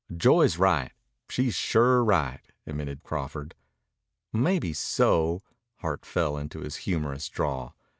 "Joy's right. She's sure right," admitted Crawford. "Maybeso." Hart fell into his humorous drawl.